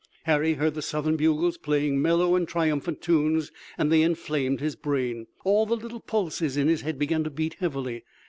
Harry heard the Southern bugles playing mellow and triumphant tunes, and they inflamed his brain. All the little pulses in his head began to beat heavily.